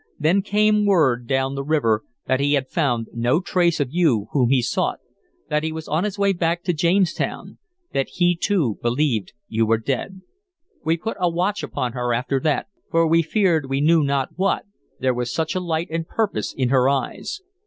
Then came word down the river that he had found no trace of you whom he sought, that he was on his way back to Jamestown, that he too believed you dead.... We put a watch upon her after that, for we feared we knew not what, there was such a light and purpose in her eyes.